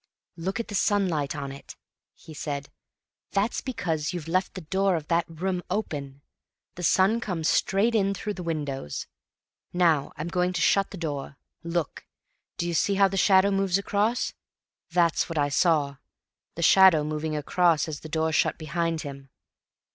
"Look at the sunlight on it," he said. "That's because you've left the door of that room open. The sun comes straight in through the windows. Now, I'm going to shut the door. Look! D'you see how the shadow moves across? That's what I saw—the shadow moving across as the door shut behind him.